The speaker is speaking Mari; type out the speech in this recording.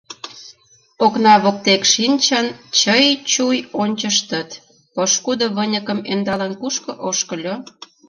Окна воктек шинчын, чый-чуй ончыштыт — пошкудо, выньыкым ӧндалын, кушко ошкыльо?